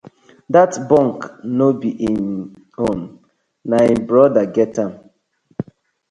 Dat bunk no be im own, na im brother get am.